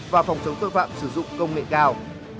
và phòng chống tội phạm sử dụng công nghệ cao